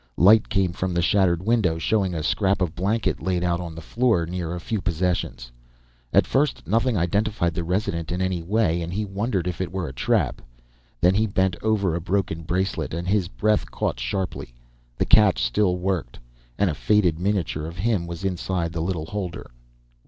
Light came from the shattered window, showing a scrap of blanket laid out on the floor near a few possessions. At first, nothing identified the resident in any way, and he wondered if it were a trap. Then he bent over a broken bracelet, and his breath caught sharply. The catch still worked, and a faded miniature of him was inside the little holder.